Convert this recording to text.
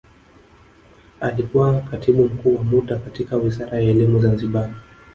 alikuwa katibu mkuu wa muda katika wizara ya elimu zanzibar